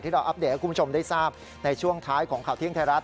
เราอัปเดตให้คุณผู้ชมได้ทราบในช่วงท้ายของข่าวเที่ยงไทยรัฐ